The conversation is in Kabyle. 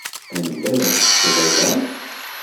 Anda ara teṭṭseḍ iḍ-a?